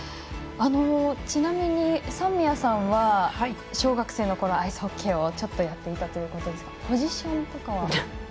ちなみに、三宮さんは小学生のころアイスホッケーをちょっとやっていたということですがポジションとかは？